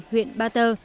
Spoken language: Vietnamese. huyện ba tơ